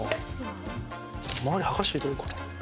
周り剥がしといた方がいいかな？